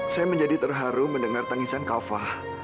saya menjadi terharu mendengar tangisan kafah